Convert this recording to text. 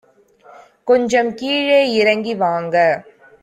கொஞ்சம் கீழே இறங்கி வாங்க